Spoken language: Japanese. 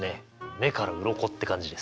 「目から鱗」って感じです。